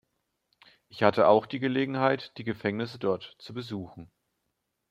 Ich hatte auch die Gelegenheit, die Gefängnisse dort zu besuchen.